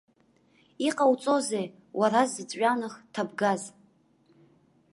Иҟауҵозеи, уара зыҵәҩанах ҭабгаз?